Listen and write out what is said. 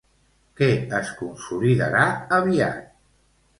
Què es consolidarà aviat?